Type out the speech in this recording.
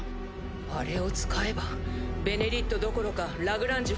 あれを使えば「ベネリット」どころかラグランジュ